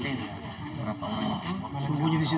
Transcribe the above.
sembunyi di situ